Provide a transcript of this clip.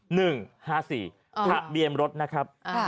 หนึ่งห้าสี่อ่าทะเบียนรถนะครับอ่า